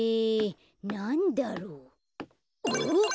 なんだろう？おっ！